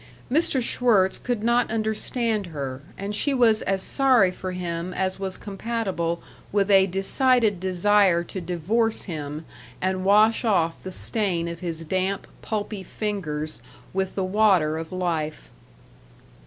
Mr. Schwirtz could not understand her, and she was as sorry for him as was compatible with a decided desire to divorce him and wash off the stain of his damp, pulpy fingers with the water of life.